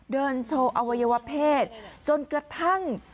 เดินโชว์อวัยวะเพศจนกระทั่ง